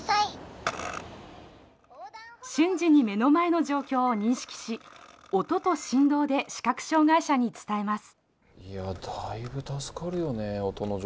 瞬時に目の前の状況を認識し音と振動で視覚障害者に伝えます。